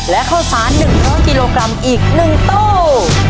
และข้าวสาร๑๐๐กิโลกรัมอีก๑ตู้